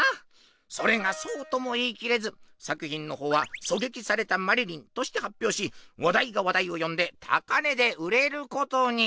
それがそうとも言い切れず作品の方は「狙撃されたマリリン」として発表し話題が話題を呼んで高値で売れることに。